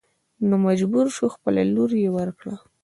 نو مجبور شو خپله لور يې ور کړه.